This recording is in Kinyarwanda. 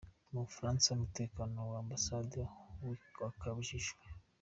Mu Bufaransa Umutekano w’Ambasade wakajijwe